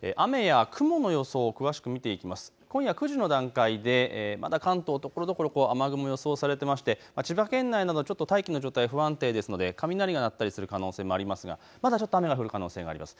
雨や雲の予想を詳しく見ていきますと今夜９時の段階でまた関東、ところどころ雨雲が予想されていまして千葉県内など大気の状態が不安定ですので雷が鳴ったりする可能性もありますがまだ雨が降る可能性があります。